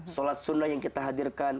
sholat sunnah yang kita hadirkan